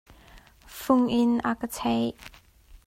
Fung in a ka cheih.